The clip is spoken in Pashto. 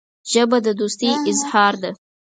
ژبه د دوستۍ اظهار ده